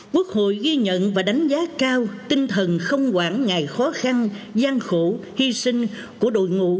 quốc hội ghi nhận và đánh giá cao tinh thần không quản ngại khó khăn gian khổ hy sinh của đội ngũ